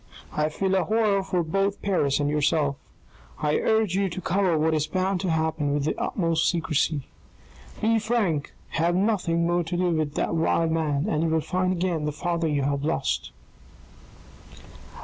I feel a horror for both Paris and yourself. I urge you to cover what is bound to happen with the utmost secrecy. Be frank, have nothing more to do with the vile man, and you will find again the father you have lost."